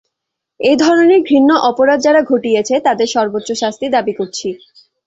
এ ধরনের ঘৃণ্য অপরাধ যারা ঘটিয়েছে, তাদের সর্বোচ্চ শাস্তি দাবি করছি।